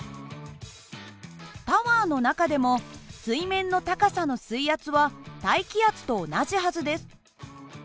タワーの中でも水面の高さの水圧は大気圧と同じはずです。